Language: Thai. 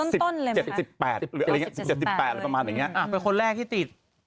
สิบสิบแปดสิบสิบแปดอะไรประมาณอย่างเงี้ยอ่าเป็นคนแรกที่ติด